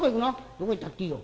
「どこ行ったっていいよ」。